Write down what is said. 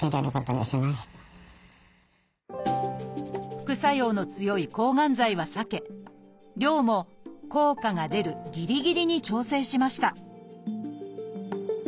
副作用の強い抗がん剤は避け量も効果が出るぎりぎりに調整しました